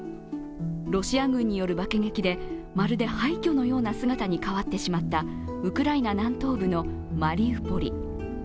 ロシア軍による爆撃でまるで廃虚のような姿に変わってしまったウクライナ南東部のマリウポリ。